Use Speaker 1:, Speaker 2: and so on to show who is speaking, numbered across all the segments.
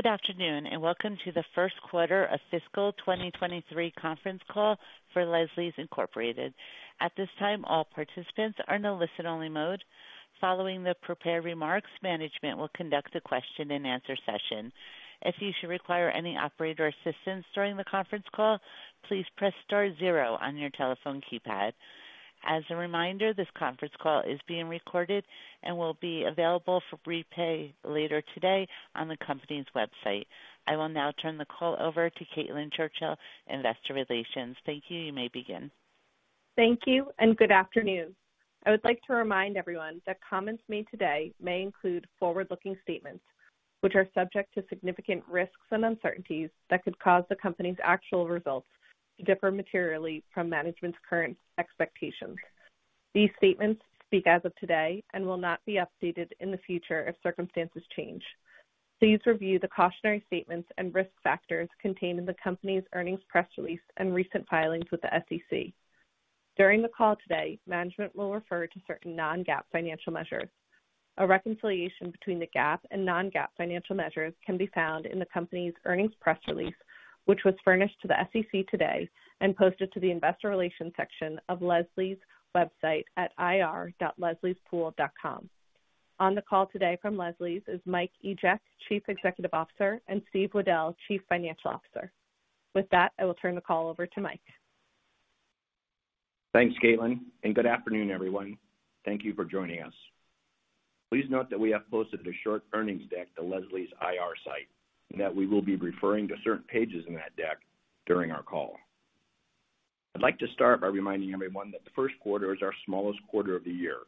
Speaker 1: Good afternoon. Welcome to the first quarter of fiscal 2023 conference call for Leslie's, Inc.. At this time, all participants are in a listen-only mode. Following the prepared remarks, management will conduct a question-and-answer session. If you should require any operator assistance during the conference call, please press star zero on your telephone keypad. As a reminder, this conference call is being recorded and will be available for replay later today on the company's website. I will now turn the call over to Caitlin Churchill, Investor Relations. Thank you. You may begin.
Speaker 2: Thank you and good afternoon. I would like to remind everyone that comments made today may include forward-looking statements, which are subject to significant risks and uncertainties that could cause the company's actual results to differ materially from management's current expectations. These statements speak as of today and will not be updated in the future if circumstances change. Please review the cautionary statements and risk factors contained in the company's earnings press release and recent filings with the SEC. During the call today, management will refer to certain non-GAAP financial measures. A reconciliation between the GAAP and non-GAAP financial measures can be found in the company's earnings press release, which was furnished to the SEC today and posted to the investor relations section of Leslie's website at ir.lesliespool.com. On the call today from Leslie's is Michael Egeck, Chief Executive Officer, and Steve Weddell, Chief Financial Officer. With that, I will turn the call over to Mike.
Speaker 3: Thanks, Caitlin, and good afternoon, everyone. Thank you for joining us. Please note that we have posted a short earnings deck to Leslie's IR site, and that we will be referring to certain pages in that deck during our call. I'd like to start by reminding everyone that the first quarter is our smallest quarter of the year,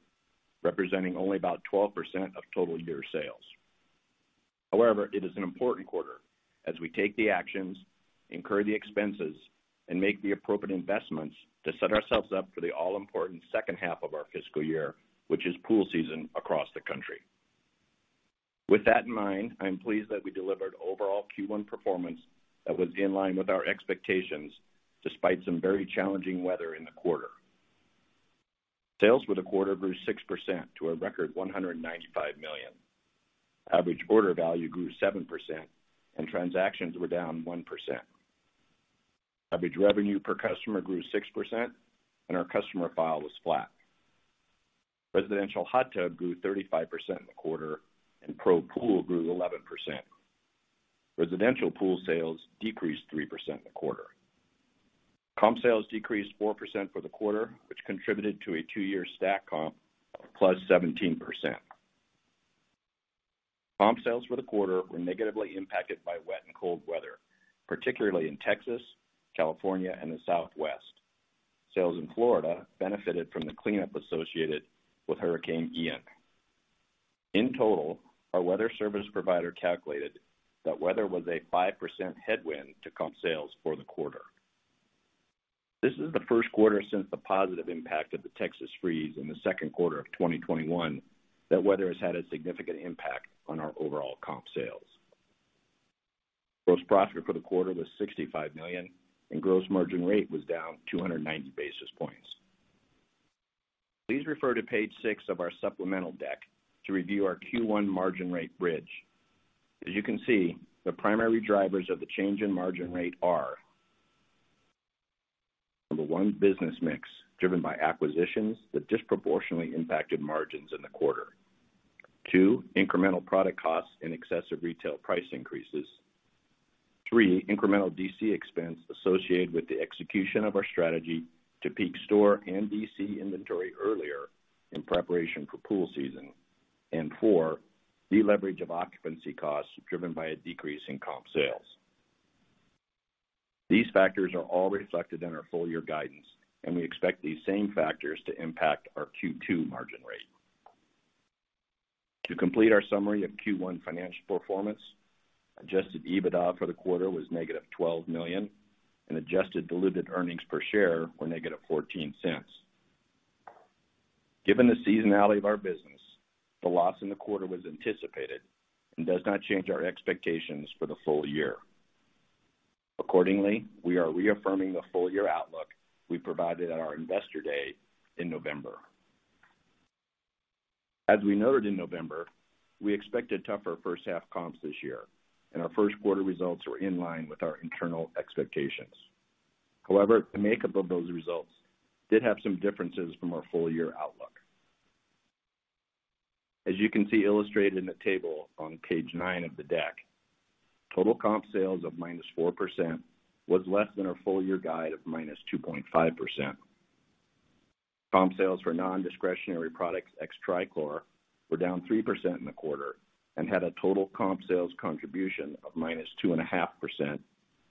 Speaker 3: representing only about 12% of total year sales. However, it is an important quarter as we take the actions, incur the expenses, and make the appropriate investments to set ourselves up for the all-important second half of our fiscal year, which is pool season across the country. With that in mind, I'm pleased that we delivered overall Q1 performance that was in line with our expectations despite some very challenging weather in the quarter. Sales for the quarter grew 6% to a record $195 million. Average order value grew 7%, and transactions were down 1%. Average revenue per customer grew 6%, and our customer file was flat. Residential hot tub grew 35% in the quarter, and pro pool grew 11%. Residential pool sales decreased 3% in the quarter. Comp sales decreased 4% for the quarter, which contributed to a two-year stack comp of +17%. Comp sales for the quarter were negatively impacted by wet and cold weather, particularly in Texas, California, and the Southwest. Sales in Florida benefited from the cleanup associated with Hurricane Ian. In total, our weather service provider calculated that weather was a 5% headwind to comp sales for the quarter. This is the first quarter since the positive impact of the Texas freeze in the second quarter of 2021 that weather has had a significant impact on our overall comp sales. Gross profit for the quarter was $65 million, and gross margin rate was down 290 basis points. Please refer to page 6 of our supplemental deck to review our Q1 margin rate bridge. As you can see, the primary drivers of the change in margin rate are: Number 1, business mix, driven by acquisitions that disproportionately impacted margins in the quarter. Two, incremental product costs in excess of retail price increases. Three, incremental DC expense associated with the execution of our strategy to peak store and DC inventory earlier in preparation for pool season. Four, deleverage of occupancy costs driven by a decrease in comp sales. These factors are all reflected in our full year guidance. We expect these same factors to impact our Q2 margin rate. To complete our summary of Q1 financial performance, Adjusted EBITDA for the quarter was -$12 million. Adjusted diluted earnings per share were -$0.14. Given the seasonality of our business, the loss in the quarter was anticipated and does not change our expectations for the full year. Accordingly, we are reaffirming the full-year outlook we provided at our Investor Day in November. As we noted in November, we expected tougher first half comps this year. Our first quarter results were in line with our internal expectations. However, the makeup of those results did have some differences from our full-year outlook. As you can see illustrated in the table on page 9 of the deck, total comp sales of -4% was less than our full-year guide of -2.5%. Comp sales for non-discretionary products ex Trichlor were down 3% in the quarter and had a total comp sales contribution of -2.5%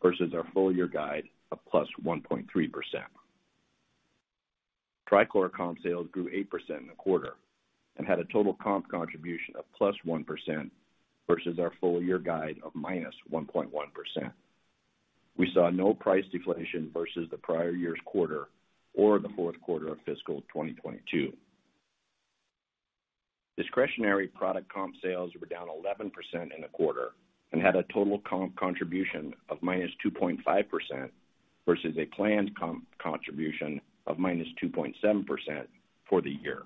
Speaker 3: versus our full-year guide of +1.3%. Trichlor comp sales grew 8% in the quarter and had a total comp contribution of +1% versus our full-year guide of -1.1%. We saw no price deflation versus the prior year's quarter or the fourth quarter of fiscal 2022. Discretionary product comp sales were down 11% in the quarter and had a total comp contribution of -2.5% versus a planned comp contribution of -2.7% for the year.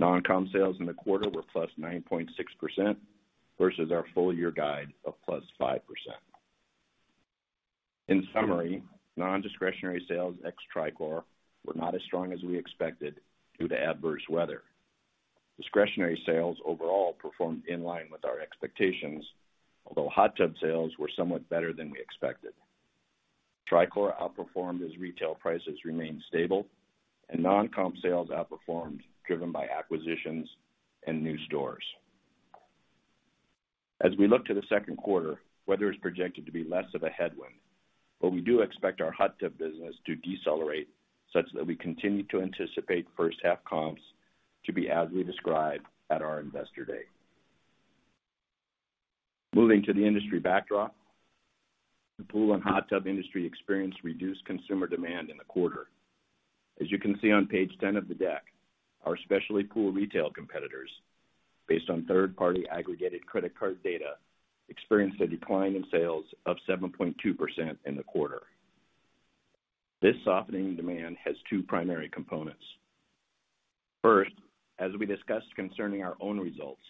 Speaker 3: Non-comp sales in the quarter were +9.6% versus our full year guide of +5%. In summary, nondiscretionary sales ex Trichlor were not as strong as we expected due to adverse weather. Discretionary sales overall performed in line with our expectations, although hot tub sales were somewhat better than we expected. Trichlor outperformed as retail prices remained stable, and non-comp sales outperformed, driven by acquisitions and new stores. As we look to the second quarter, weather is projected to be less of a headwind, but we do expect our hot tub business to decelerate such that we continue to anticipate first half comps to be as we described at our investor day. Moving to the industry backdrop, the pool and hot tub industry experienced reduced consumer demand in the quarter. As you can see on page 10 of the deck, our specialty pool retail competitors, based on third-party aggregated credit card data, experienced a decline in sales of 7.2% in the quarter. This softening demand has two primary components. First, as we discussed concerning our own results,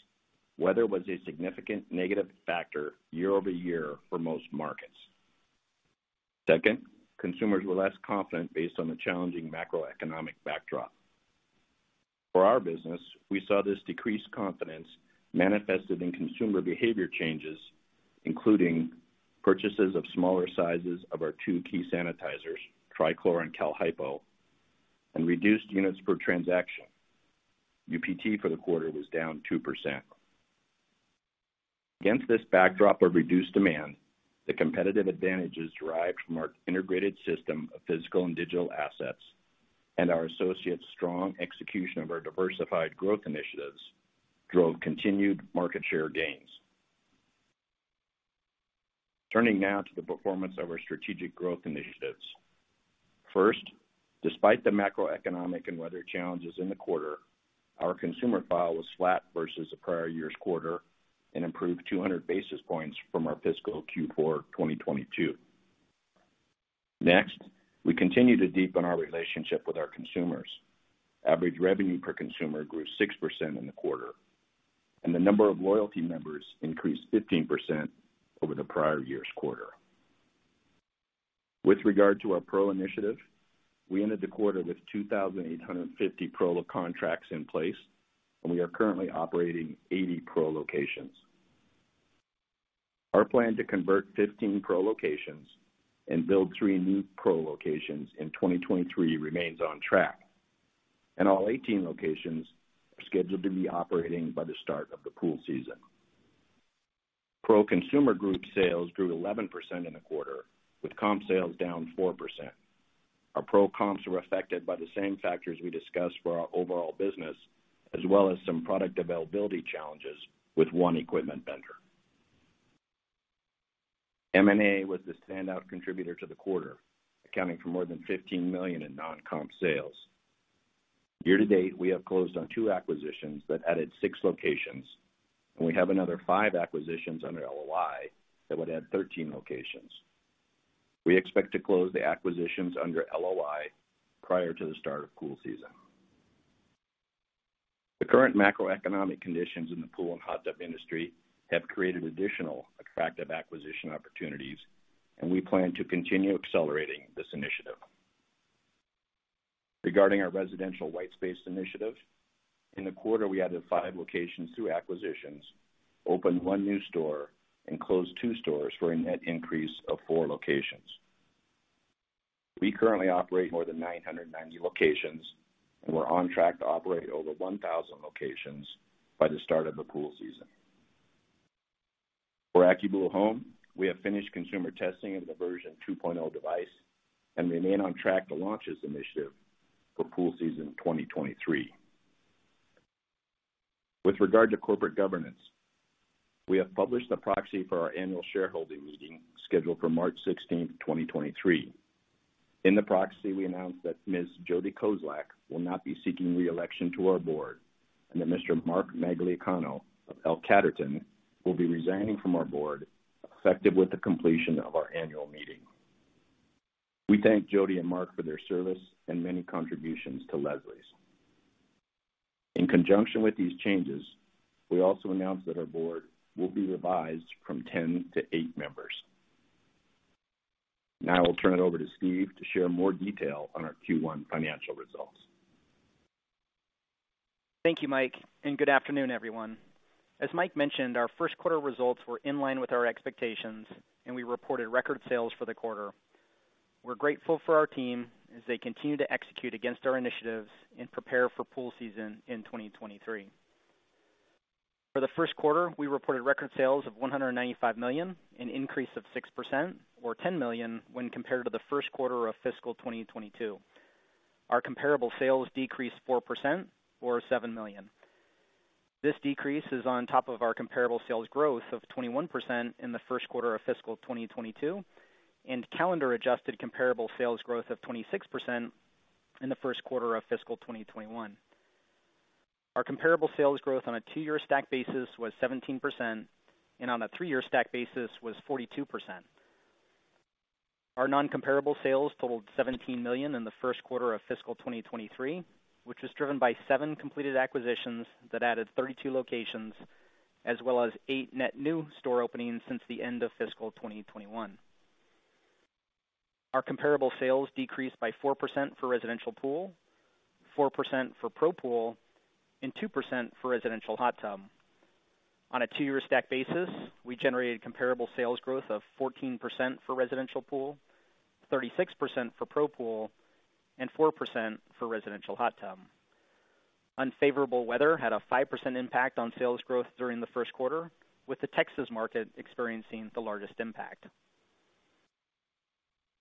Speaker 3: weather was a significant negative factor year-over-year for most markets. Second, consumers were less confident based on the challenging macroeconomic backdrop. For our business, we saw this decreased confidence manifested in consumer behavior changes, including purchases of smaller sizes of our two key sanitizers, Trichlor and Cal-Hypo, and reduced units per transaction. UPT for the quarter was down 2%. Against this backdrop of reduced demand, the competitive advantages derived from our integrated system of physical and digital assets, and our associates' strong execution of our diversified growth initiatives drove continued market share gains. Turning now to the performance of our strategic growth initiatives. First, despite the macroeconomic and weather challenges in the quarter, our consumer file was flat versus the prior year's quarter and improved 200 basis points from our fiscal Q4 2022. Next, we continue to deepen our relationship with our consumers. Average revenue per consumer grew 6% in the quarter, and the number of loyalty members increased 15% over the prior year's quarter. With regard to our Pro initiative, we ended the quarter with 2,850 Pro contracts in place, and we are currently operating 80 Pro locations. Our plan to convert 15 Pro locations and build three new Pro locations in 2023 remains on track, and all 18 locations are scheduled to be operating by the start of the pool season. Pro consumer group sales grew 11% in the quarter, with comp sales down 4%. Our Pro comps were affected by the same factors we discussed for our overall business, as well as some product availability challenges with one equipment vendor. M&A was the standout contributor to the quarter, accounting for more than $15 million in non-comp sales. Year to date, we have closed on two acquisitions that added six locations, and we have another five acquisitions under LOI that would add 13 locations. We expect to close the acquisitions under LOI prior to the start of pool season. The current macroeconomic conditions in the pool and hot tub industry have created additional attractive acquisition opportunities, and we plan to continue accelerating this initiative. Regarding our residential white space initiative, in the quarter we added five locations through acquisitions, opened one new store, and closed two stores for a net increase of four locations. We currently operate more than 990 locations, and we're on track to operate over 1,000 locations by the start of the pool season. For AccuBlue Home, we have finished consumer testing of the version 2.0 device and remain on track to launch this initiative for pool season 2023. With regard to corporate governance, we have published the proxy for our annual shareholding meeting scheduled for March 16, 2023. In the proxy, we announced that Ms. Jodeen Kozlak will not be seeking re-election to our board, and that Mr. Marc Magliacano of L Catterton will be resigning from our board effective with the completion of our annual meeting. We thank Jodi and Marc for their service and many contributions to Leslie's. In conjunction with these changes, we also announced that our board will be revised from 10 to 8 members. Now I will turn it over to Steve to share more detail on our Q1 financial results.
Speaker 4: Thank you, Mike. Good afternoon, everyone. As Mike mentioned, our first quarter results were in line with our expectations, and we reported record sales for the quarter. We're grateful for our team as they continue to execute against our initiatives and prepare for pool season in 2023. For the first quarter, we reported record sales of $195 million, an increase of 6% or $10 million when compared to the first quarter of fiscal 2022. Our comparable sales decreased 4% or $7 million. This decrease is on top of our comparable sales growth of 21% in the first quarter of fiscal 2022 and calendar adjusted comparable sales growth of 26% in the first quarter of fiscal 2021. Our comparable sales growth on a two-year stack basis was 17%, and on a three-year stack basis was 42%. Our non-comparable sales totaled $17 million in the first quarter of fiscal 2023, which was driven by seven completed acquisitions that added 32 locations, as well as eight net new store openings since the end of fiscal 2021. Our comparable sales decreased by 4% for residential pool, 4% for pro pool, and 2% for residential hot tub. On a two-year stack basis, we generated comparable sales growth of 14% for residential pool, 36% for pro pool, and 4% for residential hot tub. Unfavorable weather had a 5% impact on sales growth during the first quarter, with the Texas market experiencing the largest impact.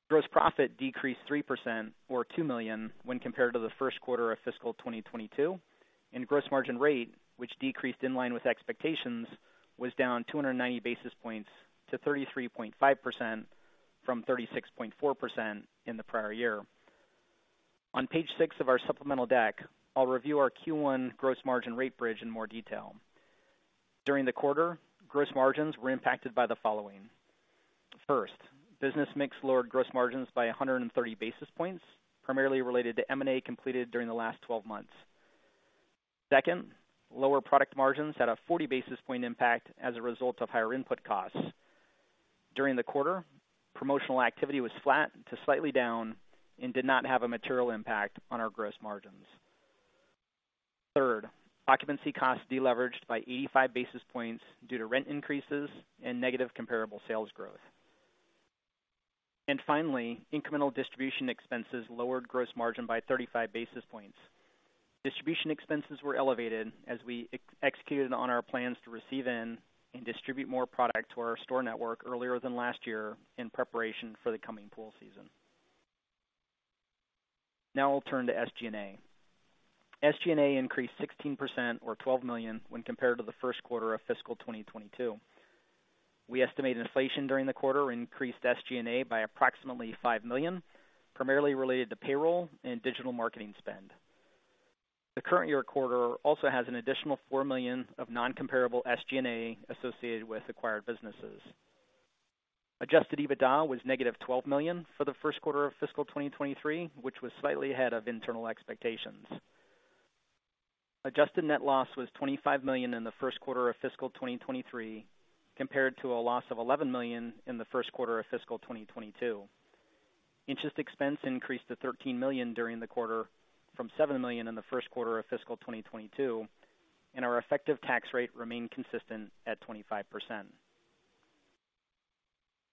Speaker 4: Gross profit decreased 3% or $2 million when compared to the first quarter of fiscal 2022. Gross margin rate, which decreased in line with expectations, was down 290 basis points to 33.5% from 36.4% in the prior year. On page 6 of our supplemental deck, I'll review our Q1 gross margin rate bridge in more detail. During the quarter, gross margins were impacted by the following. First, business mix lowered gross margins by 130 basis points, primarily related to M&A completed during the last 12 months. Second, lower product margins had a 40 basis point impact as a result of higher input costs. During the quarter, promotional activity was flat to slightly down and did not have a material impact on our gross margins. Third, occupancy costs deleveraged by 85 basis points due to rent increases and negative comparable sales growth. Finally, incremental distribution expenses lowered gross margin by 35 basis points. Distribution expenses were elevated as we ex-executed on our plans to receive in and distribute more product to our store network earlier than last year in preparation for the coming pool season. I'll turn to SG&A. SG&A increased 16% or $12 million when compared to the first quarter of fiscal 2022. We estimate inflation during the quarter increased SG&A by approximately $5 million, primarily related to payroll and digital marketing spend. The current year quarter also has an additional $4 million of non-comparable SG&A associated with acquired businesses. Adjusted EBITDA was -$12 million for the first quarter of fiscal 2023, which was slightly ahead of internal expectations. Adjusted net loss was $25 million in the first quarter of fiscal 2023, compared to a loss of $11 million in the first quarter of fiscal 2022. Interest expense increased to $13 million during the quarter from $7 million in the first quarter of fiscal 2022, and our effective tax rate remained consistent at 25%.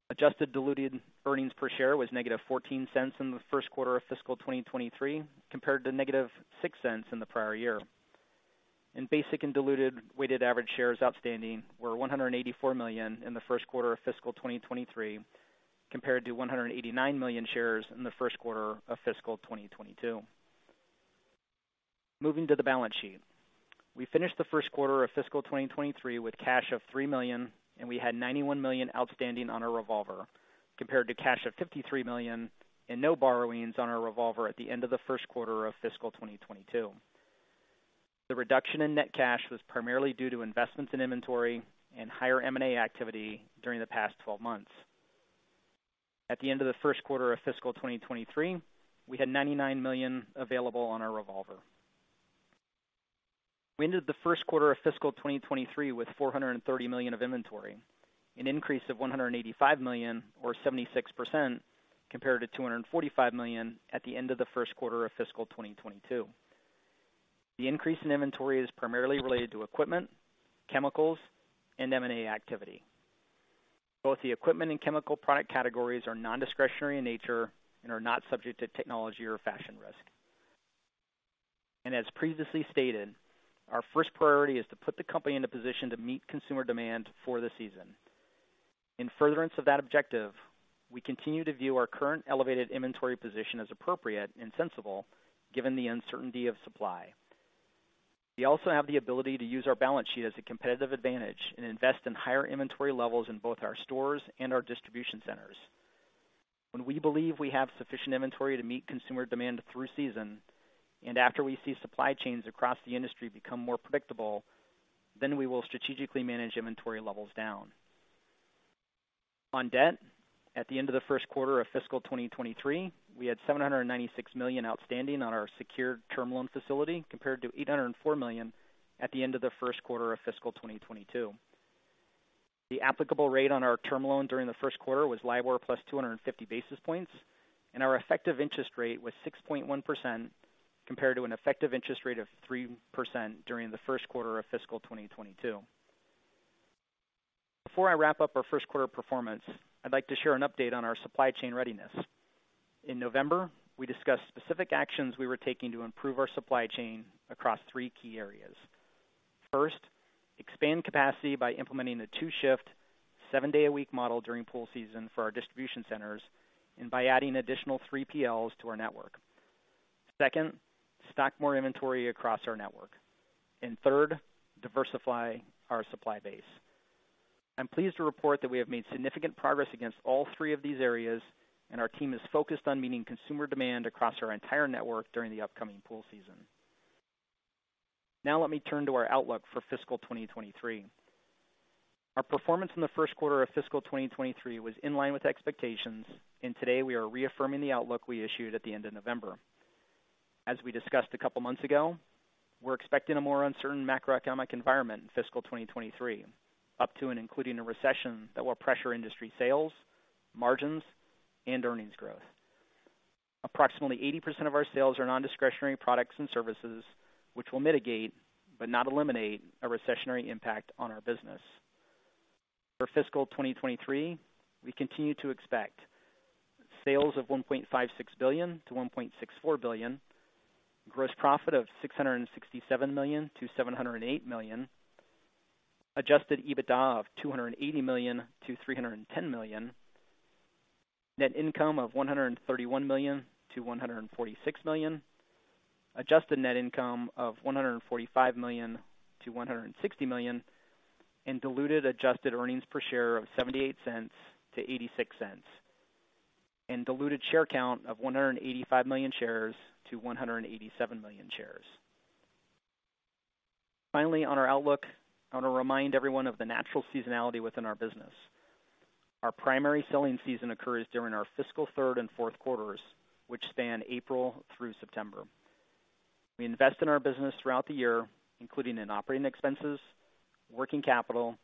Speaker 4: Adjusted diluted earnings per share was -$0.14 in the first quarter of fiscal 2023, compared to -$0.06 in the prior year. Basic and diluted weighted average shares outstanding were 184 million in the first quarter of fiscal 2023, compared to 189 million shares in the first quarter of fiscal 2022. Moving to the balance sheet. We finished the first quarter of fiscal 2023 with cash of $3 million. We had $91 million outstanding on our revolver, compared to cash of $53 million and no borrowings on our revolver at the end of the first quarter of fiscal 2022. The reduction in net cash was primarily due to investments in inventory and higher M&A activity during the past 12 months. At the end of the first quarter of fiscal 2023, we had $99 million available on our revolver. We ended the first quarter of fiscal 2023 with $430 million of inventory, an increase of $185 million or 76% compared to $245 million at the end of the first quarter of fiscal 2022. The increase in inventory is primarily related to equipment, chemicals, and M&A activity. Both the equipment and chemical product categories are non-discretionary in nature and are not subject to technology or fashion risk. As previously stated, our first priority is to put the company in a position to meet consumer demand for the season. In furtherance of that objective, we continue to view our current elevated inventory position as appropriate and sensible given the uncertainty of supply. We also have the ability to use our balance sheet as a competitive advantage and invest in higher inventory levels in both our stores and our distribution centers. When we believe we have sufficient inventory to meet consumer demand through season, and after we see supply chains across the industry become more predictable, then we will strategically manage inventory levels down. On debt, at the end of the first quarter of fiscal 2023, we had $796 million outstanding on our secured term loan facility compared to $804 million at the end of the first quarter of fiscal 2022. The applicable rate on our term loan during the first quarter was LIBOR +250 basis points, and our effective interest rate was 6.1% compared to an effective interest rate of 3% during the first quarter of fiscal 2022. Before I wrap up our first quarter performance, I'd like to share an update on our supply chain readiness. In November, we discussed specific actions we were taking to improve our supply chain across three key areas. First, expand capacity by implementing the two-shift, seven-day-a-week model during pool season for our distribution centers and by adding additional 3PLs to our network. Second, stock more inventory across our network. Third, diversify our supply base. I'm pleased to report that we have made significant progress against all three of these areas, and our team is focused on meeting consumer demand across our entire network during the upcoming pool season. Now let me turn to our outlook for fiscal 2023. Our performance in the first quarter of fiscal 2023 was in line with expectations, and today we are reaffirming the outlook we issued at the end of November. As we discussed a couple months ago, we're expecting a more uncertain macroeconomic environment in fiscal 2023, up to and including a recession that will pressure industry sales, margins, and earnings growth. Approximately 80% of our sales are non-discretionary products and services, which will mitigate but not eliminate a recessionary impact on our business. For fiscal 2023, we continue to expect sales of $1.56 billion-$1.64 billion, gross profit of $667 million-$708 million, Adjusted EBITDA of $280 million-$310 million, net income of $131 million-$146 million, adjusted net income of $145 million-$160 million, and diluted adjusted earnings per share of $0.78-$0.86, and diluted share count of 185 million shares-187 million shares. Finally, on our outlook, I want to remind everyone of the natural seasonality within our business. Our primary selling season occurs during our fiscal third and fourth quarters, which span April through September. We invest in our business throughout the year, including in operating expenses, working capital,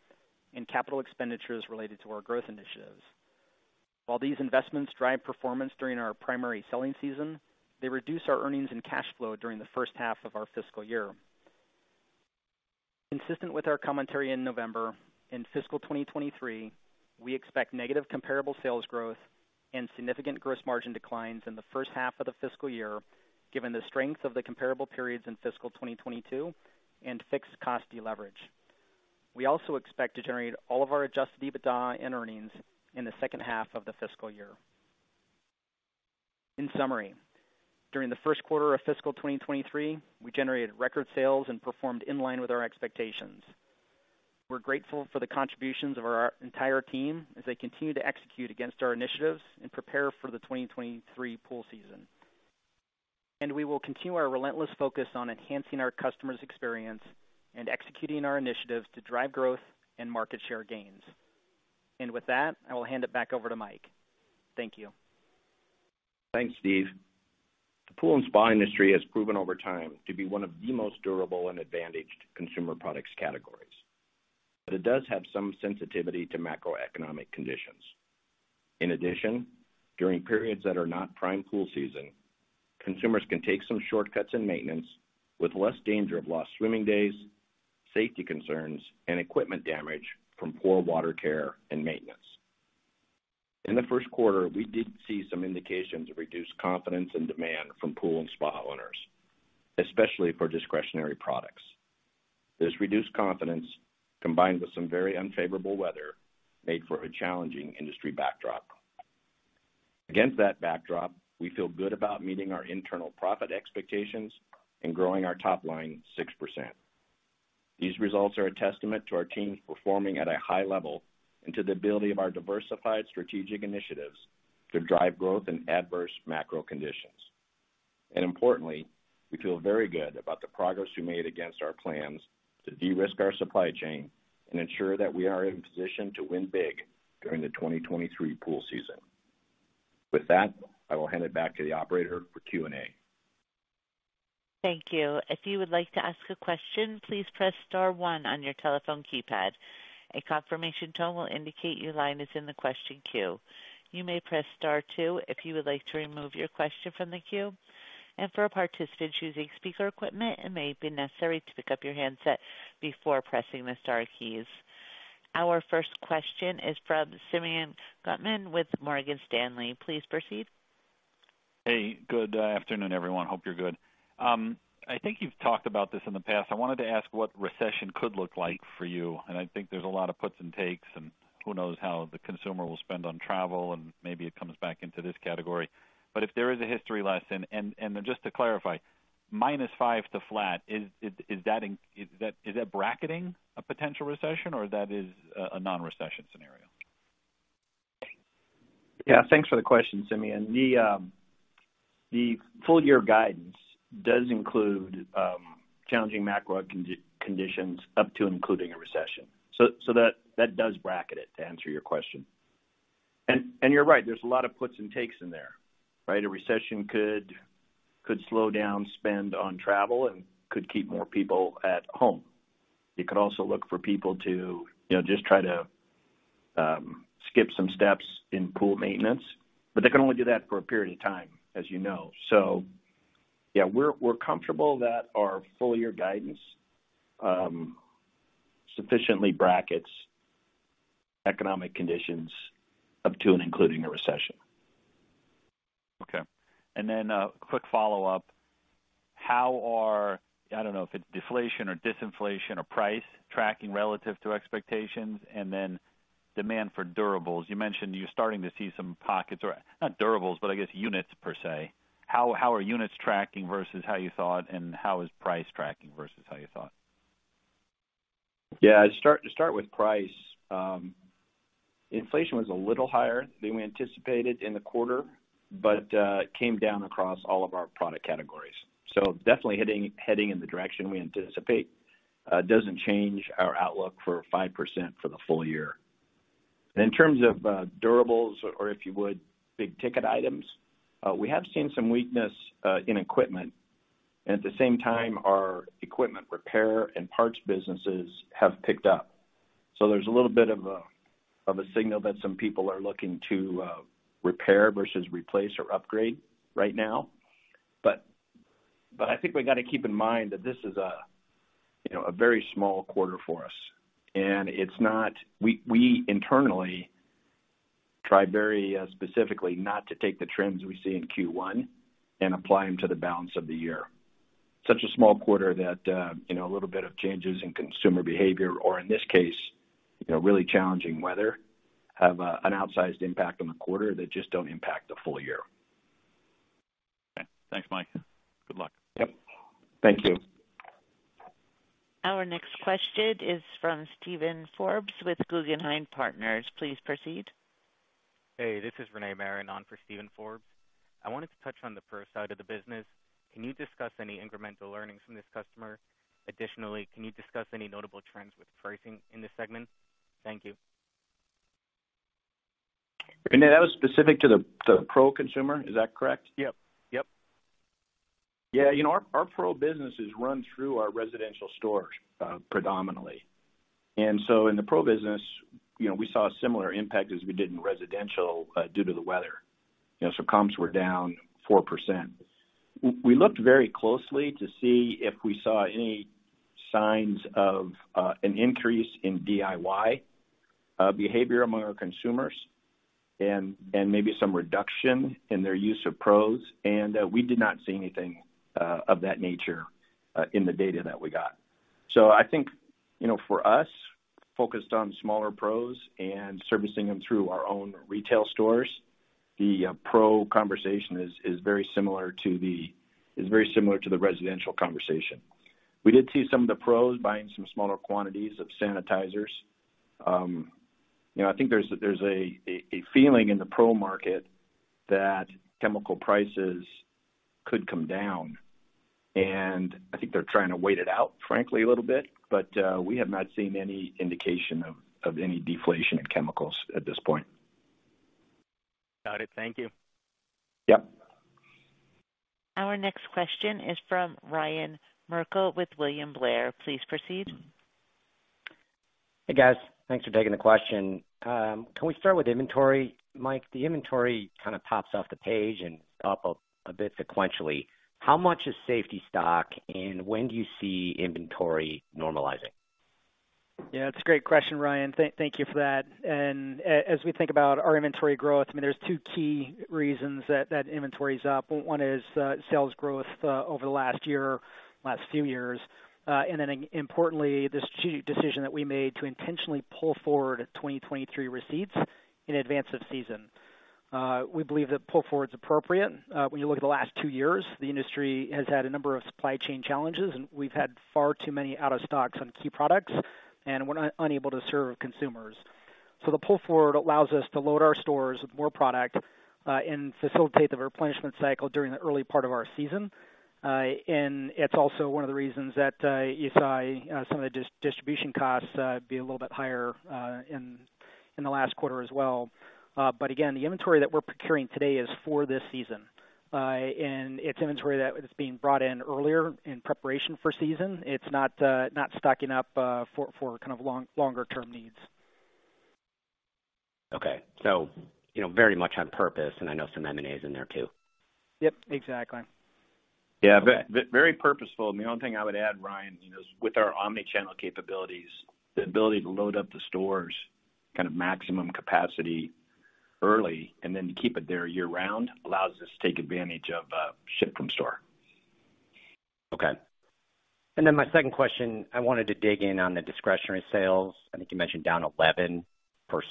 Speaker 4: and capital expenditures related to our growth initiatives. While these investments drive performance during our primary selling season, they reduce our earnings and cash flow during the first half of our fiscal year. Consistent with our commentary in November, in fiscal 2023, we expect negative comparable sales growth and significant gross margin declines in the first half of the fiscal year, given the strength of the comparable periods in fiscal 2022 and fixed cost deleverage. We also expect to generate all of our Adjusted EBITDA and earnings in the second half of the fiscal year. In summary, during the first quarter of fiscal 2023, we generated record sales and performed in line with our expectations. We're grateful for the contributions of our entire team as they continue to execute against our initiatives and prepare for the 2023 pool season. We will continue our relentless focus on enhancing our customers' experience and executing our initiatives to drive growth and market share gains. With that, I will hand it back over to Mike. Thank you.
Speaker 3: Thanks, Steve. The pool and spa industry has proven over time to be one of the most durable and advantaged consumer products categories. It does have some sensitivity to macroeconomic conditions. In addition, during periods that are not prime pool season, consumers can take some shortcuts in maintenance with less danger of lost swimming days, safety concerns, and equipment damage from poor water care and maintenance. In the first quarter, we did see some indications of reduced confidence and demand from pool and spa owners, especially for discretionary products. This reduced confidence, combined with some very unfavorable weather, made for a challenging industry backdrop. Against that backdrop, we feel good about meeting our internal profit expectations and growing our top line 6%. These results are a testament to our teams performing at a high level and to the ability of our diversified strategic initiatives to drive growth in adverse macro conditions. Importantly, we feel very good about the progress we made against our plans to de-risk our supply chain and ensure that we are in position to win big during the 2023 pool season. With that, I will hand it back to the operator for Q&A.
Speaker 1: Thank you. If you would like to ask a question, please press star one on your telephone keypad. A confirmation tone will indicate your line is in the question queue. You may press star two if you would like to remove your question from the queue. For a participant choosing speaker equipment, it may be necessary to pick up your handset before pressing the star keys. Our first question is from Simeon Gutman with Morgan Stanley. Please proceed.
Speaker 5: Hey, good afternoon, everyone. Hope you're good. I think you've talked about this in the past. I wanted to ask what recession could look like for you, and I think there's a lot of puts and takes, and who knows how the consumer will spend on travel, and maybe it comes back into this category. If there is a history lesson, and just to clarify, -5 to flat, is that bracketing a potential recession or that is a non-recession scenario?
Speaker 3: Yeah. Thanks for the question, Simeon. The full year guidance does include challenging macro conditions up to including a recession. That does bracket it, to answer your question. You're right, there's a lot of puts and takes in there, right? A recession could slow down spend on travel and could keep more people at home. It could also look for people to, you know, just try to skip some steps in pool maintenance, but they can only do that for a period of time, as you know. Yeah, we're comfortable that our full year guidance sufficiently brackets economic conditions up to and including a recession.
Speaker 5: Okay. A quick follow-up. I don't know if it's deflation or disinflation or price tracking relative to expectations and then demand for durables? You mentioned you're starting to see some pockets or not durables, but I guess units per se. How are units tracking versus how you thought and how is price tracking versus how you thought?
Speaker 3: Yeah, I start with price. Inflation was a little higher than we anticipated in the quarter, came down across all of our product categories. Definitely heading in the direction we anticipate. Doesn't change our outlook for 5% for the full year. In terms of durables or if you would, big ticket items, we have seen some weakness in equipment. At the same time, our equipment repair and parts businesses have picked up. There's a little bit of a signal that some people are looking to repair versus replace or upgrade right now. I think we got to keep in mind that this is a, you know, a very small quarter for us, and we internally try very specifically not to take the trends we see in Q1 and apply them to the balance of the year. Such a small quarter that, you know, a little bit of changes in consumer behavior or in this case, you know, really challenging weather have an outsized impact on the quarter that just don't impact the full year.
Speaker 5: Okay. Thanks, Mike. Good luck.
Speaker 3: Yep. Thank you.
Speaker 1: Our next question is from Steven Forbes with Guggenheim Partners. Please proceed.
Speaker 6: Hey, this is Rene Marin on for Steven Forbes. I wanted to touch on the pro side of the business. Can you discuss any incremental learnings from this customer? Additionally, can you discuss any notable trends with pricing in this segment? Thank you.
Speaker 3: Rene, that was specific to the pro consumer. Is that correct?
Speaker 6: Yep. Yep.
Speaker 3: You know, our pro business is run through our residential stores, predominantly. In the pro business, you know, we saw a similar impact as we did in residential, due to the weather. You know, comps were down 4%. We looked very closely to see if we saw any signs of an increase in DIY behavior among our consumers and maybe some reduction in their use of pros. We did not see anything of that nature in the data that we got. I think, you know, for us, focused on smaller pros and servicing them through our own retail stores, the pro conversation is very similar to the residential conversation. We did see some of the pros buying some smaller quantities of sanitizers. you know, I think there's a feeling in the pro market that chemical prices could come down, and I think they're trying to wait it out, frankly, a little bit. We have not seen any indication of any deflation in chemicals at this point.
Speaker 6: Got it. Thank you.
Speaker 3: Yep.
Speaker 1: Our next question is from Ryan Merkel with William Blair. Please proceed.
Speaker 7: Hey, guys. Thanks for taking the question. Can we start with inventory? Mike, the inventory kind of pops off the page and up a bit sequentially. How much is safety stock and when do you see inventory normalizing?
Speaker 4: Yeah, that's a great question, Ryan. Thank you for that. As we think about our inventory growth, I mean, there's two key reasons that inventory is up. One is sales growth over the last year, last few years. And then importantly, the strategic decision that we made to intentionally pull forward 2023 receipts in advance of season. We believe that pull forward is appropriate. When you look at the last two years, the industry has had a number of supply chain challenges, and we've had far too many out of stocks on key products, and we're unable to serve consumers. The pull forward allows us to load our stores with more product and facilitate the replenishment cycle during the early part of our season. It's also one of the reasons that ESP, some of the distribution costs, be a little bit higher in the last quarter as well. But again, the inventory that we're procuring today is for this season. It's inventory that is being brought in earlier in preparation for season. It's not stocking up for kind of longer-term needs.
Speaker 7: Okay. You know, very much on purpose, and I know some M&A is in there too.
Speaker 4: Yep, exactly.
Speaker 3: Yeah. Very purposeful. The only thing I would add, Ryan, you know, with our omni-channel capabilities, the ability to load up the stores kind of maximum capacity early and then to keep it there year-round allows us to take advantage of, ship from store.
Speaker 7: My second question, I wanted to dig in on the discretionary sales. I think you mentioned down 11%.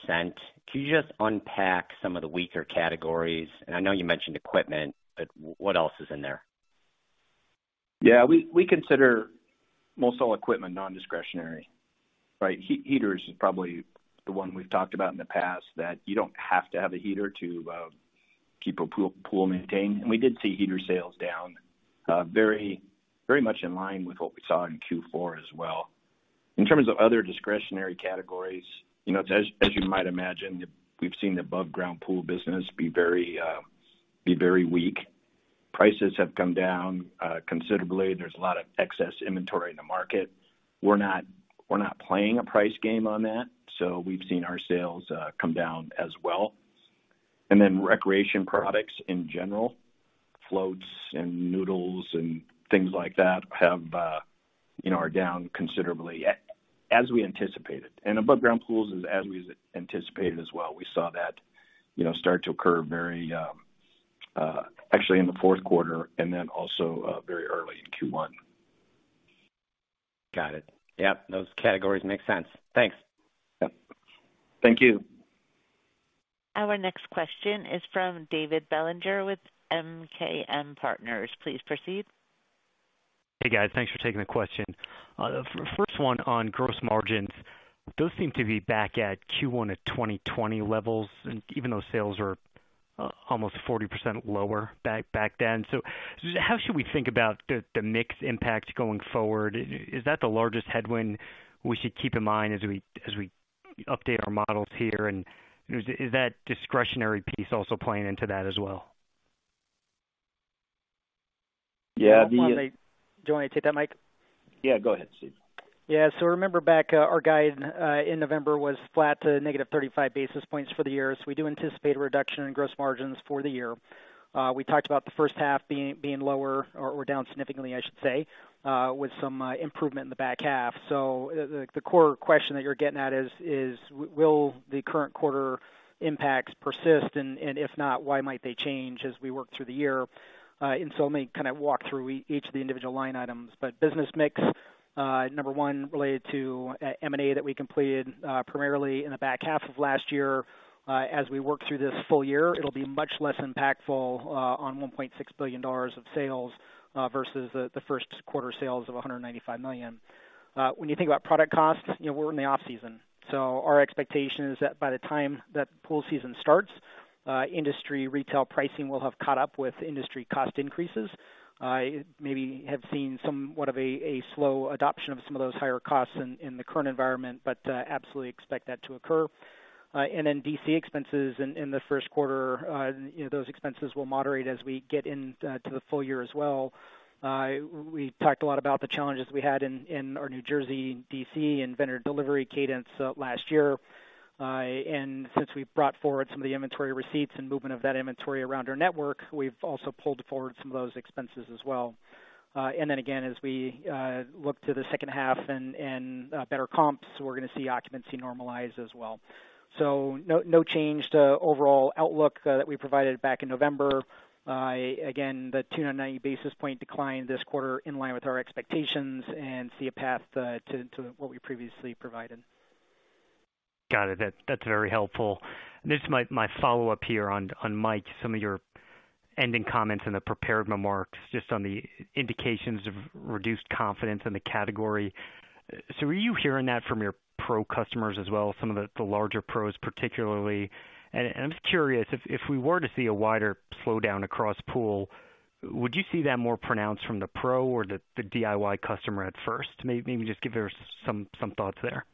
Speaker 7: Can you just unpack some of the weaker categories? And I know you mentioned equipment, but what else is in there?
Speaker 3: Yeah, we consider most all equipment non-discretionary, right? Heaters is probably the one we've talked about in the past, that you don't have to have a heater to keep a pool maintained. We did see heater sales down very much in line with what we saw in Q4 as well. In terms of other discretionary categories, you know, as you might imagine, we've seen the above ground pool business be very weak. Prices have come down considerably. There's a lot of excess inventory in the market. We're not playing a price game on that, we've seen our sales come down as well. Recreation products in general, floats and noodles and things like that have, you know, are down considerably as we anticipated. Above ground pools is as we anticipated as well. We saw that, you know, start to occur very, actually in the fourth quarter and then also, very early in Q1.
Speaker 7: Got it. Yep. Those categories make sense. Thanks.
Speaker 3: Yep. Thank you.
Speaker 1: Our next question is from David Bellinger with MKM Partners. Please proceed.
Speaker 8: Hey, guys. Thanks for taking the question. First one on gross margins. Those seem to be back at Q1 of 2020 levels, and even those sales are almost 40% lower back then. How should we think about the mix impact going forward? Is, is that the largest headwind we should keep in mind as we, as we update our models here? Is, is that discretionary piece also playing into that as well?
Speaker 3: Yeah.
Speaker 4: Do you want me to take that, Mike?
Speaker 3: Yeah, go ahead, Steve.
Speaker 4: Remember back, our guide in November was flat to -35 basis points for the year. We do anticipate a reduction in gross margins for the year. We talked about the first half being lower or down significantly, I should say, with some improvement in the back half. The core question that you're getting at is, will the current quarter impacts persist? If not, why might they change as we work through the year? Let me kind of walk through each of the individual line items. Business mix, Number 1, related to M&A that we completed primarily in the back half of last year. As we work through this full year, it'll be much less impactful on $1.6 billion of sales versus the first quarter sales of $195 million. When you think about product costs, you know, we're in the off-season, so our expectation is that by the time that pool season starts, industry retail pricing will have caught up with industry cost increases. Maybe have seen somewhat of a slow adoption of some of those higher costs in the current environment, but absolutely expect that to occur. And then DC expenses in the first quarter, you know, those expenses will moderate as we get in to the full year as well. We talked a lot about the challenges we had in our New Jersey DC and vendor delivery cadence last year. Since we brought forward some of the inventory receipts and movement of that inventory around our network, we've also pulled forward some of those expenses as well. Again, as we look to the second half and better comps, we're gonna see occupancy normalize as well. No, no change to overall outlook that we provided back in November. Again, the 290 basis point decline this quarter in line with our expectations and see a path to what we previously provided.
Speaker 8: Got it. That's very helpful. This is my follow-up here on Mike, some of your ending comments in the prepared remarks, just on the indications of reduced confidence in the category. Are you hearing that from your Pro customers as well, some of the larger Pros particularly? I'm just curious if we were to see a wider slowdown across pool, would you see that more pronounced from the Pro or the DIY customer at first? Maybe just give your some thoughts there.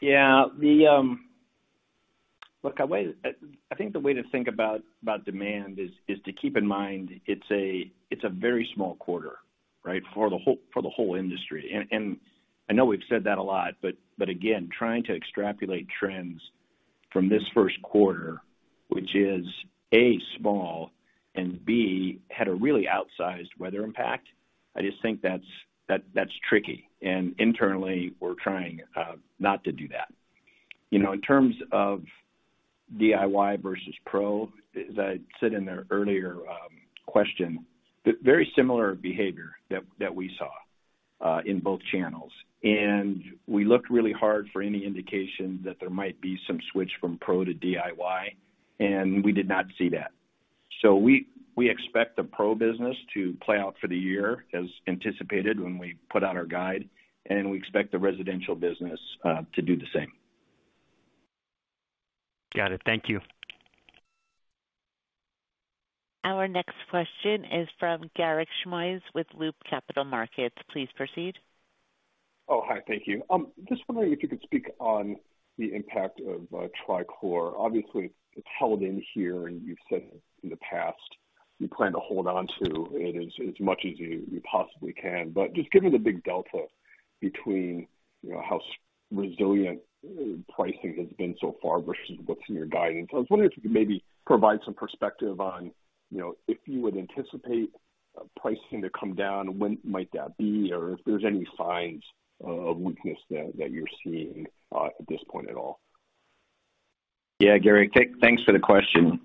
Speaker 3: Yeah, the Look, I think the way to think about demand is to keep in mind it's a very small quarter, right? For the whole industry. I know we've said that a lot, but again, trying to extrapolate trends from this first quarter, which is A, small, and B, had a really outsized weather impact. I just think that's tricky. Internally, we're trying not to do that. You know, in terms of DIY versus Pro, as I said in the earlier question, very similar behavior that we saw in both channels. We looked really hard for any indication that there might be some switch from Pro to DIY, and we did not see that. We expect the Pro business to play out for the year as anticipated when we put out our guide, and we expect the residential business to do the same.
Speaker 8: Got it. Thank you.
Speaker 1: Our next question is from Garik Shmois with Loop Capital Markets. Please proceed.
Speaker 9: Hi. Thank you. Just wondering if you could speak on the impact of Trichlor. Obviously, it's held in here, and you've said in the past you plan to hold on to it as much as you possibly can. Just given the big delta between, you know, how resilient pricing has been so far versus what's in your guidance, I was wondering if you could maybe provide some perspective on, you know, if you would anticipate pricing to come down, when might that be? Or if there's any signs of weakness that you're seeing at this point at all.
Speaker 3: Garik, thanks for the question.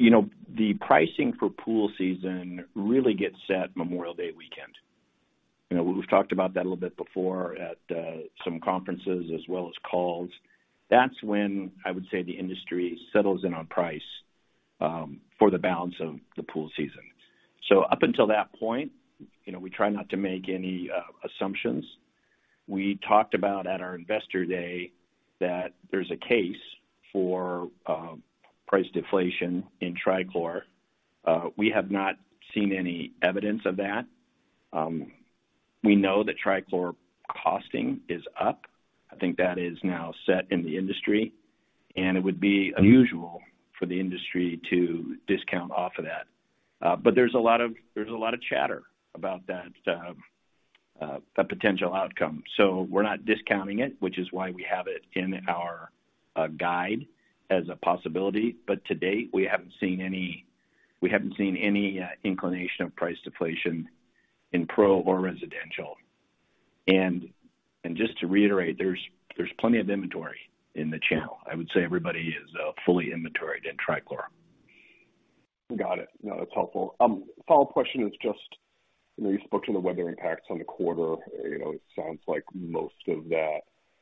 Speaker 3: The, you know, the pricing for pool season really gets set Memorial Day weekend. You know, we've talked about that a little bit before at some conferences as well as calls. That's when I would say the industry settles in on price for the balance of the pool season. Up until that point, you know, we try not to make any assumptions. We talked about at our Investor Day that there's a case for price deflation in Trichlor. We have not seen any evidence of that. We know that Trichlor costing is up. I think that is now set in the industry, and it would be unusual for the industry to discount off of that. But there's a lot of chatter about that potential outcome. We're not discounting it, which is why we have it in our guide as a possibility. To date, we haven't seen any inclination of price deflation in Pro or residential. Just to reiterate, there's plenty of inventory in the channel. I would say everybody is fully inventoried in Trichlor.
Speaker 9: Got it. No, that's helpful. Follow-up question is just, you know, you spoke to the weather impacts on the quarter. You know, it sounds like most of that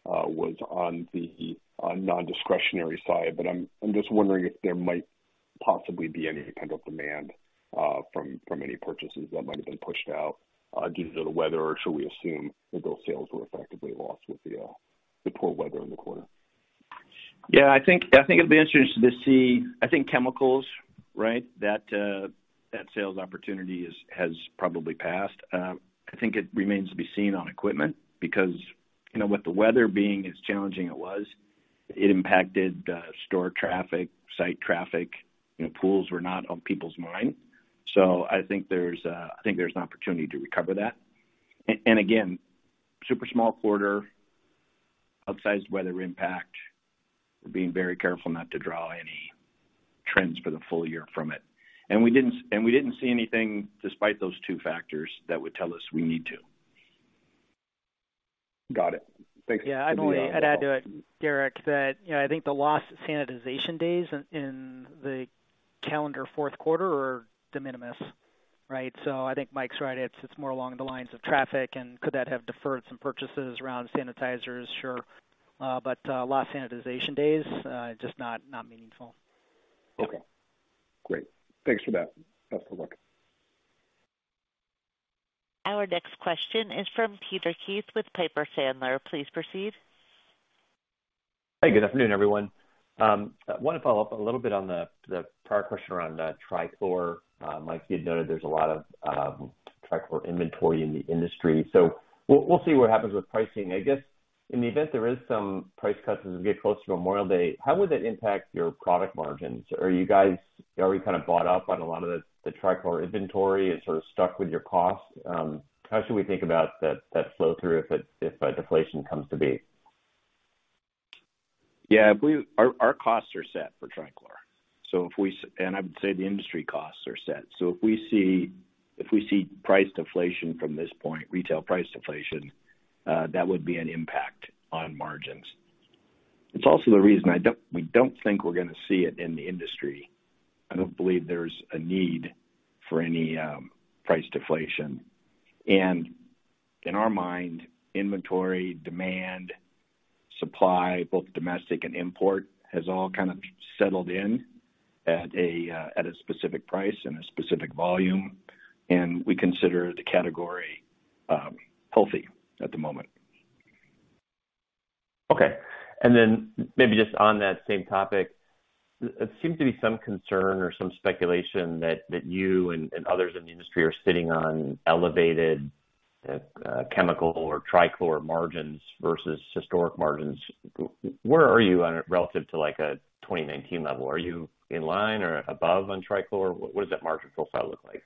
Speaker 9: was on the non-discretionary side. I'm just wondering if there might possibly be any pent-up demand from any purchases that might've been pushed out due to the weather. Should we assume that those sales were effectively lost with the poor weather in the quarter?
Speaker 3: I think it'll be interesting to see. I think chemicals, right, that sales opportunity has probably passed. I think it remains to be seen on equipment because, you know, with the weather being as challenging as it was, it impacted store traffic, site traffic. You know, pools were not on people's mind. I think there's an opportunity to recover that. Again, super small quarter, outsized weather impact. We're being very careful not to draw any trends for the full year from it. We didn't see anything despite those two factors that would tell us we need to.
Speaker 9: Got it. Thanks.
Speaker 4: Yeah. I'd add to it, Garik, that, you know, I think the lost sanitization days in the calendar fourth quarter are de minimis, right? I think Mike's right. It's, it's more along the lines of traffic and could that have deferred some purchases around sanitizers? Sure. lost sanitization days just not meaningful.
Speaker 9: Okay, great. Thanks for that. That's the look.
Speaker 1: Our next question is from Peter Keith with Piper Sandler. Please proceed.
Speaker 10: Hey, good afternoon, everyone. I wanna follow up a little bit on the prior question around the Trichlor. Like you'd noted, there's a lot of Trichlor inventory in the industry. We'll see what happens with pricing. I guess in the event there is some price cuts as we get close to Memorial Day, how would that impact your product margins? Are you guys already kind of bought up on a lot of the Trichlor inventory and sort of stuck with your cost? How should we think about that flow through if a deflation comes to be?
Speaker 3: Yeah. Our costs are set for Trichlor. I would say the industry costs are set. If we see price deflation from this point, retail price deflation, that would be an impact on margins. It's also the reason we don't think we're gonna see it in the industry. I don't believe there's a need for any price deflation. In our mind, inventory, demand, supply, both domestic and import, has all kind of settled in at a specific price and a specific volume, and we consider the category healthy at the moment.
Speaker 10: Okay. Maybe just on that same topic, there seem to be some concern or some speculation that you and others in the industry are sitting on elevated chemical or Trichlor margins versus historic margins. Where are you on it relative to, like, a 2019 level? Are you in line or above on Trichlor? What does that margin profile look like?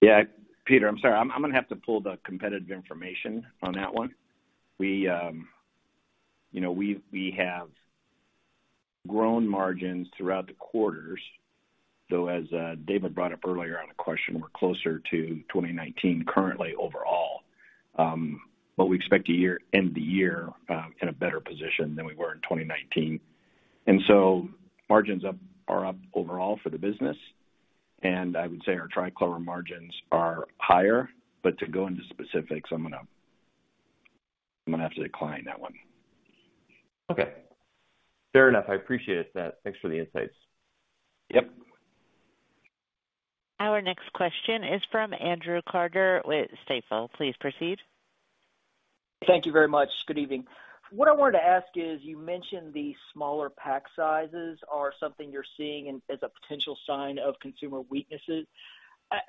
Speaker 3: Yeah. Peter, I'm sorry. I'm gonna have to pull the competitive information on that one. We, you know, we have grown margins throughout the quarters, though, as David brought up earlier on a question, we're closer to 2019 currently overall. We expect to end the year in a better position than we were in 2019. Margins up, are up overall for the business. I would say our Trichlor margins are higher, but to go into specifics, I'm gonna have to decline that one.
Speaker 10: Okay. Fair enough. I appreciate that. Thanks for the insights.
Speaker 3: Yep.
Speaker 1: Our next question is from Andrew Carter with Stifel. Please proceed.
Speaker 11: Thank you very much. Good evening. What I wanted to ask is, you mentioned the smaller pack sizes are something you're seeing as a potential sign of consumer weaknesses.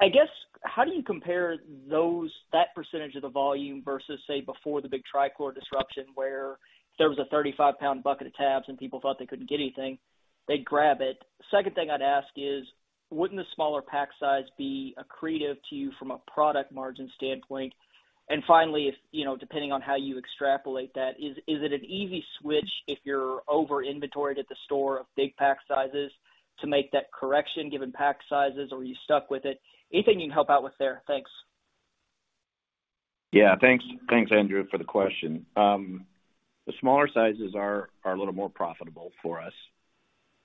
Speaker 11: I guess, how do you compare those, that percentage of the volume versus, say, before the big Trichlor disruption, where if there was a 35 lbs bucket of tabs and people thought they couldn't get anything, they'd grab it? Second thing I'd ask is, wouldn't the smaller pack size be accretive to you from a product margin standpoint? Finally, if, you know, depending on how you extrapolate that, is it an easy switch if you're over-inventoried at the store of big pack sizes to make that correction given pack sizes, or are you stuck with it? Anything you can help out with there. Thanks.
Speaker 3: Yeah. Thanks, Andrew, for the question. The smaller sizes are a little more profitable for us.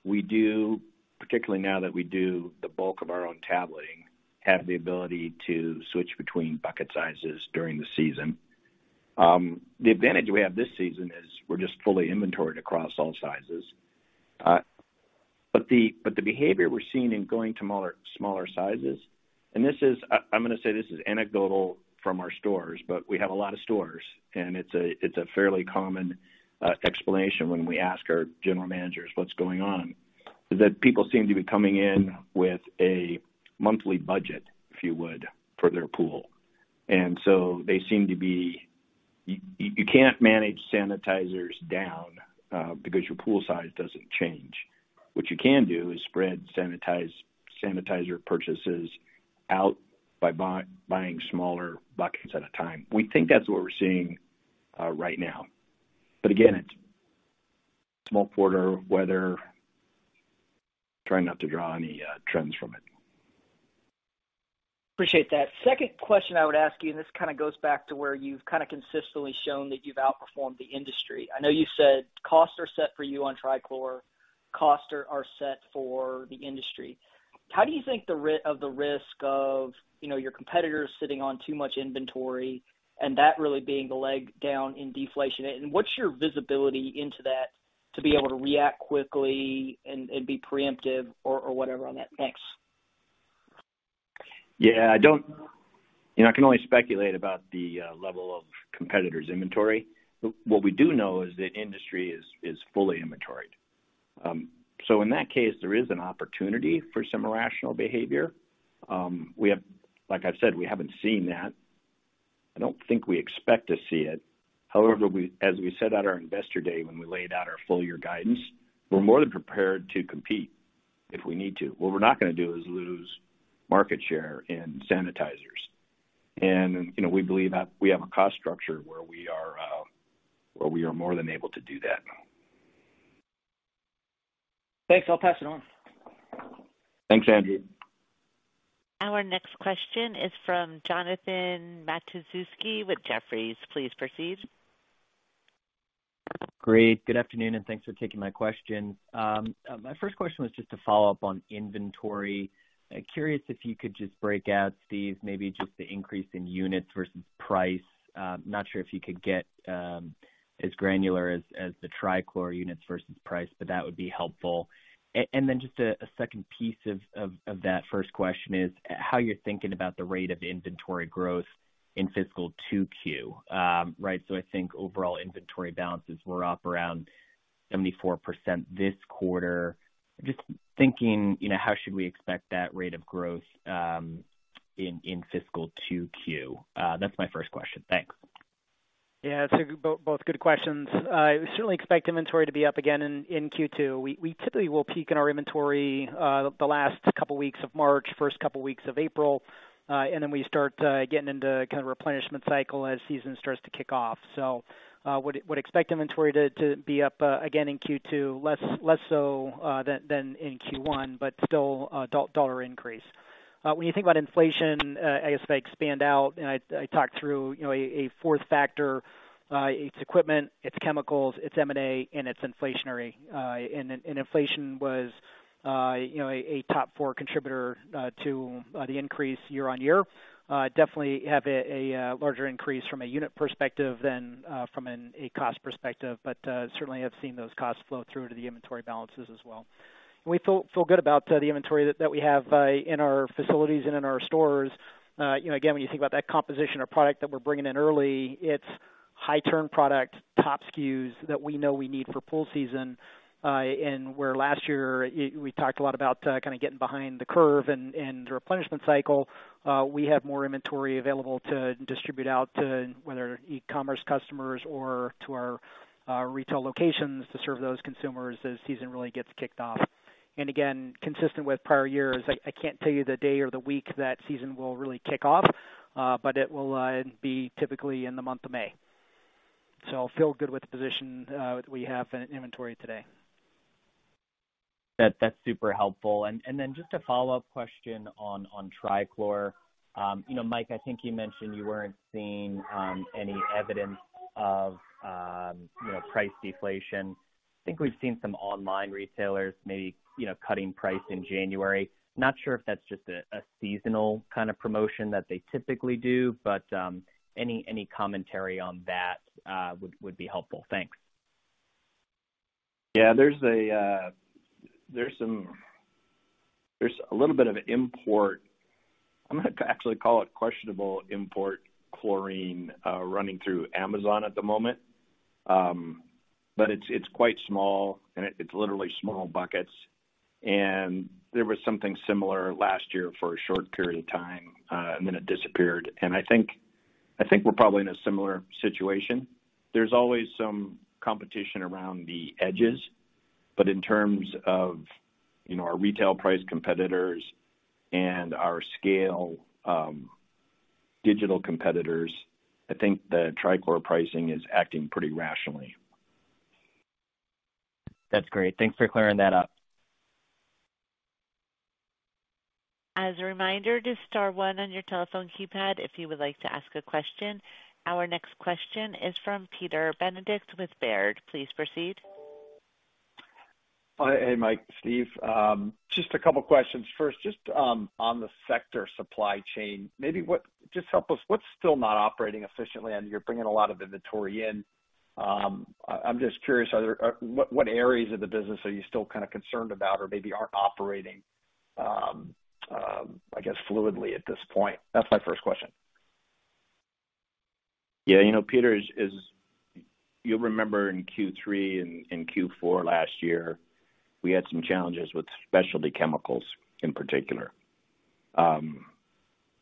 Speaker 3: We do, particularly now that we do the bulk of our own tableting, have the ability to switch between bucket sizes during the season. The advantage we have this season is we're just fully inventoried across all sizes. But the behavior we're seeing in going to smaller sizes, and this is, I'm gonna say this is anecdotal from our stores, but we have a lot of stores, and it's a fairly common explanation when we ask our general managers what's going on, is that people seem to be coming in with a monthly budget, if you would, for their pool. They seem to be. You can't manage sanitizers down because your pool size doesn't change. What you can do is spread sanitizer purchases out by buying smaller buckets at a time. We think that's what we're seeing right now. But again, it's small quarter weather. Trying not to draw any trends from it.
Speaker 11: Appreciate that. Second question I would ask you, this kind of goes back to where you've kind of consistently shown that you've outperformed the industry. I know you said costs are set for you on Trichlor, costs are set for the industry. How do you think of the risk of, you know, your competitors sitting on too much inventory and that really being the leg down in deflation? What's your visibility into that to be able to react quickly and be preemptive or whatever on that? Thanks.
Speaker 3: Yeah. I don't, you know, I can only speculate about the level of competitors' inventory. What we do know is that industry is fully inventoried. In that case, there is an opportunity for some irrational behavior. We have, like I've said, we haven't seen that. I don't think we expect to see it. However, we as we said at our investor day when we laid out our full year guidance, we're more than prepared to compete if we need to. What we're not gonna do is lose market share in sanitizers. You know, we believe that we have a cost structure where we are more than able to do that.
Speaker 11: Thanks. I'll pass it on.
Speaker 3: Thanks, Andrew.
Speaker 1: Our next question is from Jonathan Matuszewski with Jefferies. Please proceed.
Speaker 12: Great. Good afternoon, thanks for taking my question. My first question was just to follow up on inventory. Curious if you could just break out, Steve, maybe just the increase in units versus price. Not sure if you could get as granular as the Trichlor units versus price, but that would be helpful. Then just a second piece of that first question is how you're thinking about the rate of inventory growth in fiscal 2Q. Right? I think overall inventory balances were up around 74% this quarter. Just thinking, you know, how should we expect that rate of growth in fiscal 2Q? That's my first question. Thanks.
Speaker 4: Yeah. Both good questions. We certainly expect inventory to be up again in Q2. We typically will peak in our inventory the last couple weeks of March, first couple weeks of April, and then we start getting into kind of replenishment cycle as season starts to kick off. Would expect inventory to be up again in Q2, less so than in Q1, but still a dollar increase. When you think about inflation, I guess if I expand out and I talked through, you know, a 4th factor, it's equipment, it's chemicals, it's M&A, and it's inflationary. Inflation was, you know, a top four contributor to the increase year-over-year. Definitely have a larger increase from a unit perspective than from a cost perspective, certainly have seen those costs flow through to the inventory balances as well. We feel good about the inventory that we have in our facilities and in our stores. You know, again, when you think about that composition or product that we're bringing in early, it's high turn product, top SKUs that we know we need for pool season. Where last year we talked a lot about kind of getting behind the curve and the replenishment cycle, we have more inventory available to distribute out to whether e-commerce customers or to our retail locations to serve those consumers as season really gets kicked off. Again, consistent with prior years, I can't tell you the day or the week that season will really kick off, but it will be typically in the month of May. Feel good with the position, we have in inventory today.
Speaker 12: That's super helpful. Then just a follow-up question on Trichlor. You know, Mike, I think you mentioned you weren't seeing any evidence of, you know, price deflation. I think we've seen some online retailers maybe, you know, cutting price in January. Not sure if that's just a seasonal kind of promotion that they typically do, but any commentary on that would be helpful. Thanks.
Speaker 3: Yeah. There's a little bit of import. I'm gonna actually call it questionable import chlorine running through Amazon at the moment. It's quite small, and it's literally small buckets. There was something similar last year for a short period of time, and then it disappeared. I think we're probably in a similar situation. There's always some competition around the edges, but in terms of, you know, our retail price competitors and our scale, digital competitors, I think the Trichlor pricing is acting pretty rationally.
Speaker 12: That's great. Thanks for clearing that up.
Speaker 1: As a reminder to star one on your telephone keypad if you would like to ask a question. Our next question is from Peter Benedict with Baird. Please proceed.
Speaker 13: Hey, Mike, Steve. Just a couple questions. First, just on the sector supply chain, Just help us, what's still not operating efficiently? I know you're bringing a lot of inventory in. I'm just curious, what areas of the business are you still kind of concerned about or maybe aren't operating fluidly at this point? That's my first question.
Speaker 3: You know, Peter is. You'll remember in Q3 and Q4 last year, we had some challenges with specialty chemicals in particular.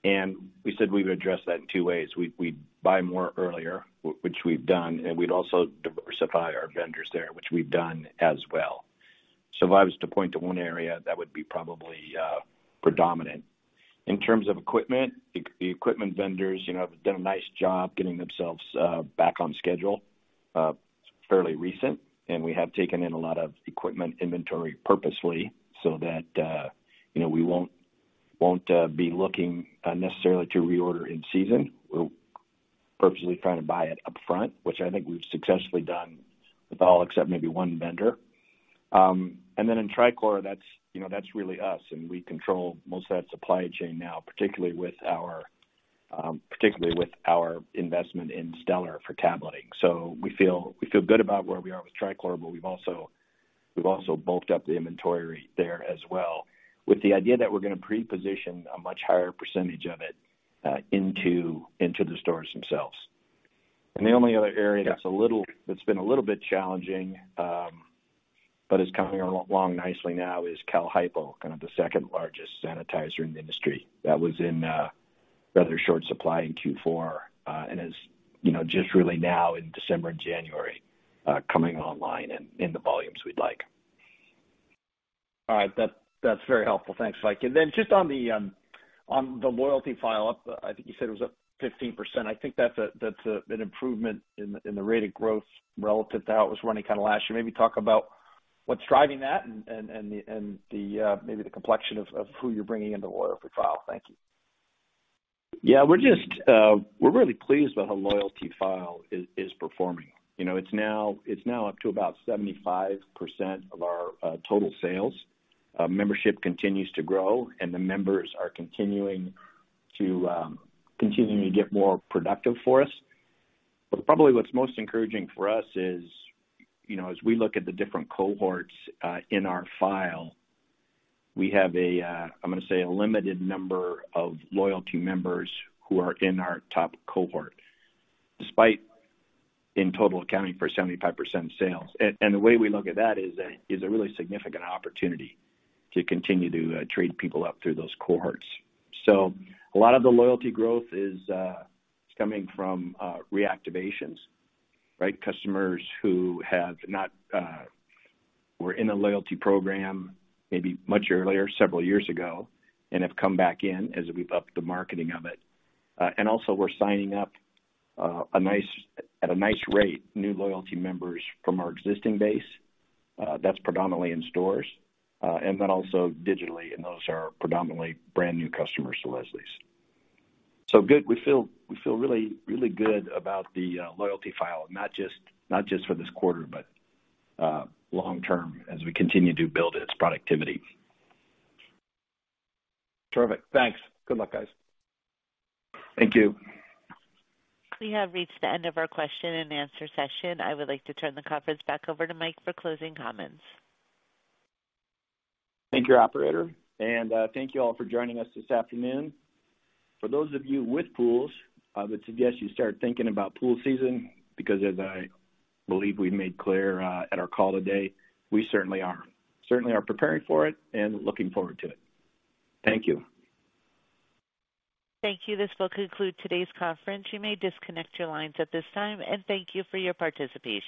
Speaker 3: We said we would address that in two ways. We'd buy more earlier, which we've done, and we'd also diversify our vendors there, which we've done as well. If I was to point to one area, that would be probably predominant. In terms of equipment, the equipment vendors, you know, have done a nice job getting themselves back on schedule. Fairly recent, we have taken in a lot of equipment inventory purposely so that, you know, we won't be looking necessarily to reorder in season. We're purposely trying to buy it upfront, which I think we've successfully done with all except maybe one vendor. In Trichlor, that's, you know, that's really us, and we control most of that supply chain now, particularly with our investment in Stellar for tableting. We feel good about where we are with Trichlor, but we've also bulked up the inventory there as well, with the idea that we're gonna pre-position a much higher percentage of it into the stores themselves. The only other area that's been a little bit challenging, but is coming along nicely now is Cal-Hypo, kind of the second-largest sanitizer in the industry that was in rather short supply in Q4, and is, you know, just really now in December and January, coming online and in the volumes we'd like.
Speaker 13: All right. That's very helpful. Thanks, Mike. Just on the loyalty file, I think you said it was up 15%. I think that's an improvement in the rate of growth relative to how it was running kind of last year. Maybe talk about what's driving that and the maybe the complexion of who you're bringing into the loyalty file. Thank you.
Speaker 3: Yeah, we're just, we're really pleased with how loyalty file is performing. You know, it's now up to about 75% of our total sales. Membership continues to grow, and the members are continuing to get more productive for us. Probably what's most encouraging for us is, you know, as we look at the different cohorts in our file, we have a, I'm gonna say a limited number of loyalty members who are in our top cohort, despite in total accounting for 75% of sales. The way we look at that is a really significant opportunity to continue to treat people up through those cohorts. A lot of the loyalty growth is coming from reactivations, right? Customers who have not, were in a loyalty program maybe much earlier, several years ago, and have come back in as we've upped the marketing of it. Also we're signing up, at a nice rate, new loyalty members from our existing base, that's predominantly in stores, and then also digitally. Those are predominantly brand new customers to Leslie's. Good. We feel really, really good about the loyalty file, not just for this quarter, but long term as we continue to build its productivity.
Speaker 13: Terrific. Thanks. Good luck, guys.
Speaker 3: Thank you.
Speaker 1: We have reached the end of our question-and-answer session. I would like to turn the conference back over to Mike for closing comments.
Speaker 3: Thank you, operator, and thank you all for joining us this afternoon. For those of you with pools, I would suggest you start thinking about pool season because as I believe we've made clear, at our call today, we certainly are. Certainly are preparing for it and looking forward to it. Thank you.
Speaker 1: Thank you. This will conclude today's conference. You may disconnect your lines at this time, and thank you for your participation.